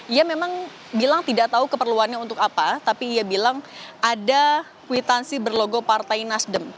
ia memang bilang tidak tahu keperluannya untuk apa tapi ia bilang ada kwitansi berlogo partai nasdem